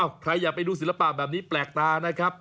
ใครอยากไปดูศิลปะแบบนี้แปลกตานะครับ